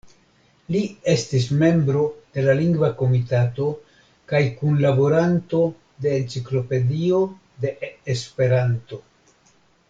Li estis membro de la Lingva Komitato kaj kunlaboranto de "Enciklopedio de Esperanto".